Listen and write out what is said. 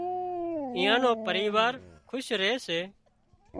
ايئان نُون پريوار کُش ري سي